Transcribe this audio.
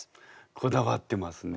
こだわってますね。